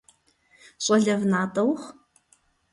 Щӏалэфӏ натӏэ ухъу!